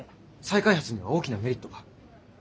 再開発には大きなメリットが。